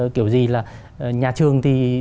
kiểu gì là nhà trường thì